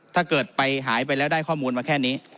ถ้าเกิดไปหายไปแล้วได้ข้อมูลมาแค่นี้